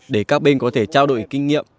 để các bên có thể trao đổi kinh nghiệm